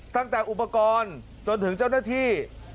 ตั้งแต่อุปกรณ์จนถึงเจ้าหน้าที่